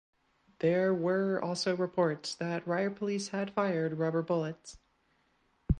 There were also reports that riot police had fired rubber bullets.